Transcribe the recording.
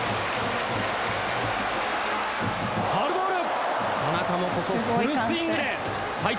ファウルボール！